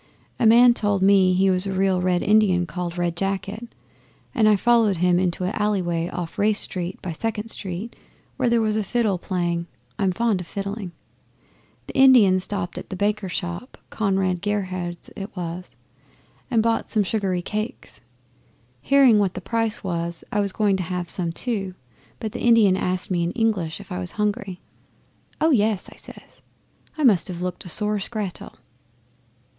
A man told me he was a real Red Indian called Red Jacket, and I followed him into an alley way off Race Street by Second Street, where there was a fiddle playing. I'm fond o' fiddling. The Indian stopped at a baker's shop Conrad Gerhard's it was and bought some sugary cakes. Hearing what the price was I was going to have some too, but the Indian asked me in English if I was hungry. "Oh yes!" I says. I must have looked a sore scrattel.